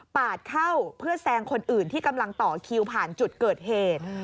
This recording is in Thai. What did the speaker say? เข้าเพื่อแซงคนอื่นที่กำลังต่อคิวผ่านจุดเกิดเหตุ